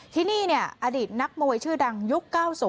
ที่นี่อดีตนักมวยชื่อดังยุค๙๐